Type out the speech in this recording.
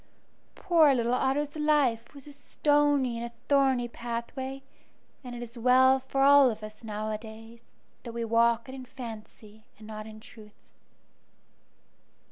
Poor little Otto's life was a stony and a thorny pathway, and it is well for all of us nowadays that we walk it in fancy and not in truth.